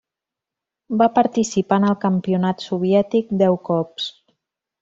Va participar en el Campionat soviètic deu cops.